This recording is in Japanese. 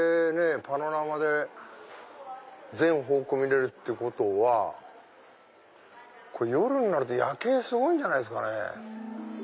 パノラマで全方向見れるってことは夜になると夜景すごいんじゃないですかね。